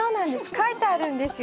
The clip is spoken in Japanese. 書いてあるんですよ